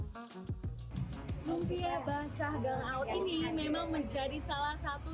lumpia basah gangout ini memang menjadi salah satu